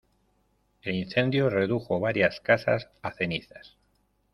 El incendio redujo varias casas a cenizas.